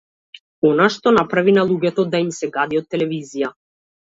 Она што направи на луѓето да им се гади од телевизија.